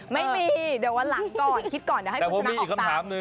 ไม่มีเดี๋ยววันหลังก่อนคิดก่อนเดี๋ยวให้คุณชนะออกตาม